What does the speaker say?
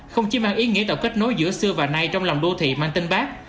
không chỉ mang ý nghĩa tạo kết nối giữa xưa và nay trong lòng đô thị mang tên bác